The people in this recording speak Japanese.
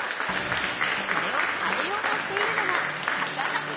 それを変えようとしているのが高橋センパイ。